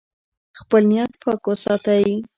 خپل نیت پاک وساتئ.